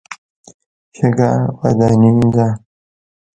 شګه وداني ده.